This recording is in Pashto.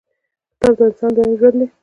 • کتاب، د انسان دویم ژوند دی.